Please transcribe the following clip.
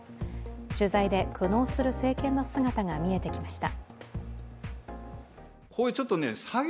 取材で苦悩する政権の姿が見えてきました。